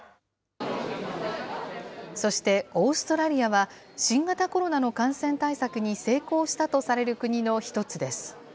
そしてオーストラリアは、新型コロナの感染対策に成功したとされる国の１つです。